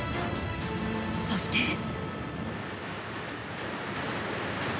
そして。